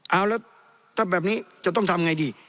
เอาแล้วถ้าแบบนี้จะต้องทำไงดี